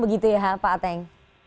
begitu ya pak ateng